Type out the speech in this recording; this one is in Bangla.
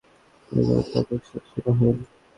এ জন্য তার দুঃখ ছিল সীমাহীন।